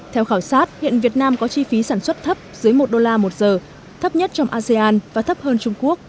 theo khảo sát hiện việt nam có chi phí sản xuất thấp dưới một đô la một giờ thấp nhất trong asean và thấp hơn trung quốc